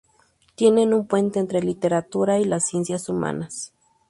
Tiende un puente entre la literatura y las ciencias humanas.